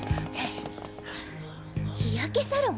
日焼けサロン？